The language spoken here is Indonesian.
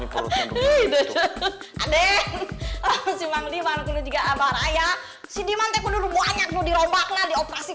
kode kode maklumatnya juga abahraya si dima tepungnya banyakmu di rombaklah dioperasi